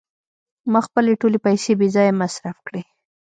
ما خپلې ټولې پیسې بې ځایه مصرف کړې.